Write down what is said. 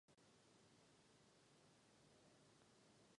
Zbytek prvního jednání ani druhé jednání nejsou výrazně změněny.